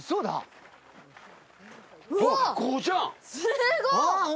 すごっ！